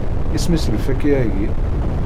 Isem-is lfakya-agi?